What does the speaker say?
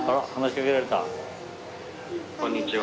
こんにちは。